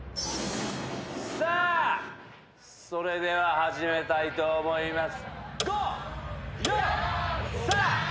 さあそれでは始めたいと思います。